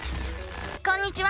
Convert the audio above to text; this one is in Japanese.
こんにちは！